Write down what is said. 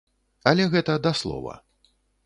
Але гэта да слова.